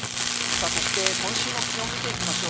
そして今週の気温を見ていきましょう。